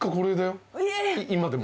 今でも。